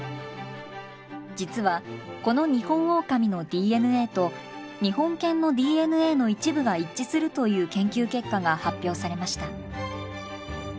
実はこのニホンオオカミのＤＮＡと日本犬のＤＮＡの一部が一致するという研究結果が発表されました。